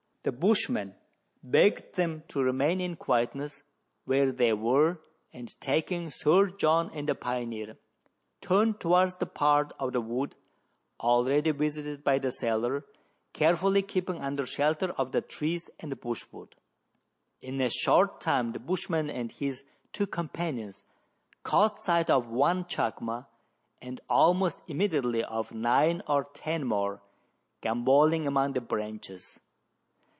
The bushman begged them to remain in quietness where they were, and, taking Sir John and the pioneer, turned towards the part of the wood THREE ENGLISHMEN AND THREE RUSSIANS. 221 already visited by the sailor, carefully keeping under shelter of the trees and bushwood. In a short time the bushman and his two companions caught sight of one chacma, and almost immediately of nine or ten more, gambolling among the branches.